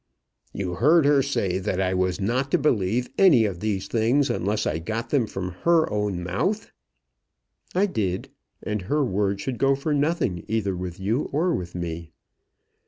"You heard her say that I was not to believe any of these things unless I got them from her own mouth?" "I did; and her word should go for nothing either with you or with me.